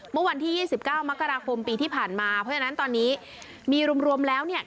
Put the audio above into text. เมื่อวันที่๒๙มกราคมปีที่ผ่านมาเพราะฉะนั้นตอนนี้มีรวมแล้วเนี่ย